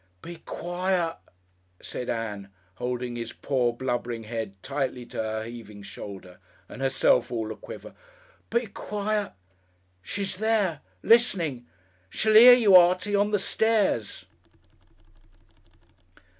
"Be quiet," said Ann, holding his poor, blubbering head tightly to her heaving shoulder, and herself all a quiver; "be quiet. She's there! Listenin'. She'll 'ear you, Artie, on the stairs...."